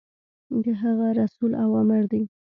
د هغه رسول اوامر دي.